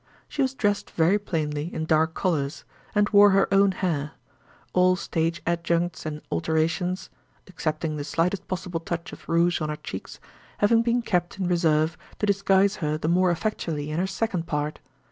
She was dressed very plainly in dark colors, and wore her own hair; all stage adjuncts and alterations (excepting the slightest possible touch of rouge on her cheeks) having been kept in reserve to disguise her the more effectually in her second part.